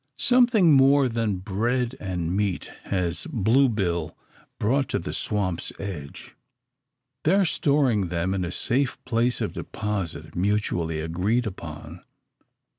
Something more than bread and meat has Blue Bill brought to the swamp's edge, there storing them in a safe place of deposit, mutually agreed upon.